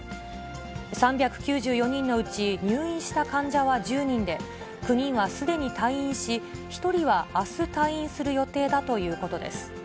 ３９４人のうち、入院した患者は１０人で、９人はすでに退院し、１人はあす退院する予定だということです。